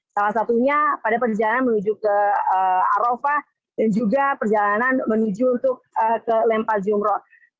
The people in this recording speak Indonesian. salah satunya pada perjalanan menuju ke arafah dan juga perjalanan menuju untuk ke lempar jumroh